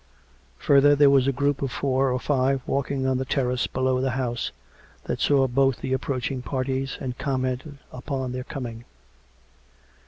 Further, there was a group of four or five walking on the terrace below the house, that saw both the approaching parties, and commented upon their coming.